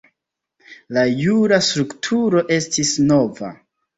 La jura strukturo estis nova.